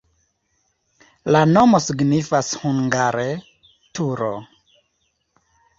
La nomo signifas hungare: turo.